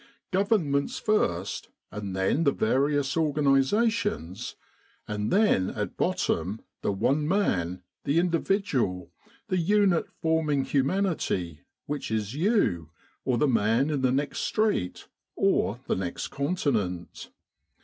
Governments first, and then the various organisa tions; and then at bottom, the one man, the individual, the unit forming humanity which is you, or the man in the next street, or the next continent.